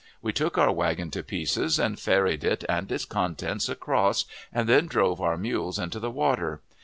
We took our wagon to pieces, and ferried it and its contents across, and then drove our mules into the water.